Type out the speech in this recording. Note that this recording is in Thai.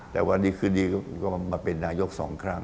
แต่วันนี้คืนนี้ก็มาเป็นนายกสองครั้ง